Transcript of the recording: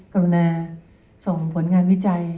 กรุณาส่งผลงานวิจัย